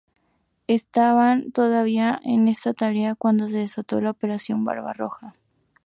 Estaban todavía en esa tarea cuando se desató la Operación Barbarroja.